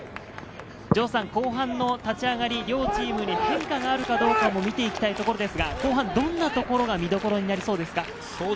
後半の立ち上がり、両チームに変化があるかどうかも見ていきたいところですが、後半どんなところが見どころになりそうですか？